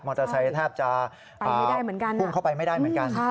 มอเตอร์ไซส์แทบจะพุ่งเข้าไปไม่ได้เหมือนกัน